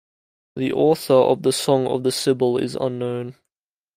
The author of The Song of the Sibyl is unknown.